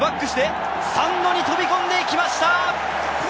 スタンドに飛び込んでいきました！